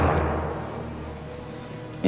mungkin keadaan kami lebih buruk lagi